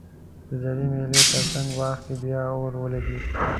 د زړې مېلې ترڅنګ باغ کې بیا اور ولګیده